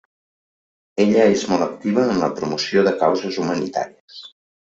Ella és molt activa en la promoció de causes humanitàries.